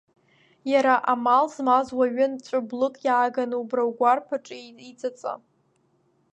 Иара амал змаз уаҩын Ҵәы блык иааганы убра угәарԥ аҿы иҵаҵа.